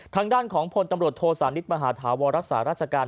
ทางด้านของพลตำรวจโทสานิทมหาธาวรรักษาราชการ